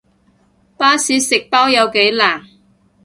巴士食包有幾難